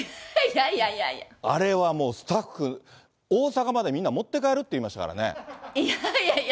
あれはもう、スタッフ、大阪までみんな持って帰るって言いましたからね。